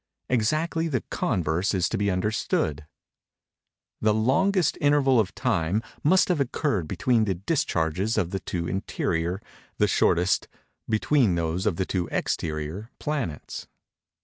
Exactly the converse is to be understood. The longest interval of time must have occurred between the discharges of the two interior; the shortest, between those of the two exterior, planets.